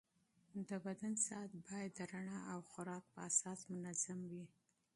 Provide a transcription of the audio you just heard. د بدن ساعت باید د رڼا او خوراک په اساس منظم وي.